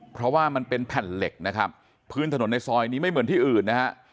เพราะว่ามันเป็นแผ่นเหล็กนะครับพื้นถนนในซอยนี้ไม่เหมือนที่อื่นนะฮะ